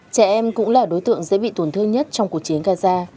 trẻ em cũng là đối tượng dễ bị tổn thương nhất trong cuộc chiến gaza